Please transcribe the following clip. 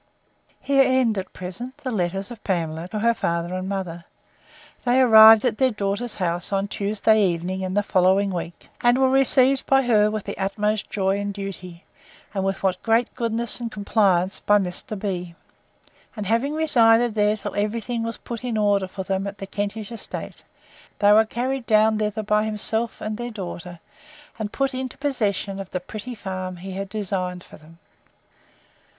Here end, at present, the letters of Pamela to her father and mother. They arrived at their daughter's house on Tuesday evening in the following week, and were received by her with the utmost joy and duty; and with great goodness and complaisance by Mr. B——. And having resided there till every thing was put in order for them at the Kentish estate, they were carried down thither by himself, and their daughter, and put into possession of the pretty farm he had designed for them.